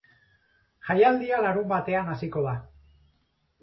Jaialdia larunbatean hasiko da.